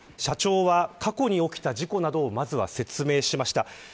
社長は過去に起きた事故などをまずは説明しました。